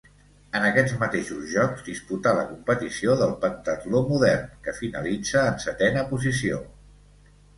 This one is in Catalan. En aquests mateixos Jocs disputà la competició del pentatló modern, que finalitza en setena posició.